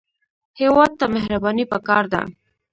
هېواد ته مهرباني پکار ده